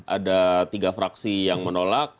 ada tiga fraksi yang menolak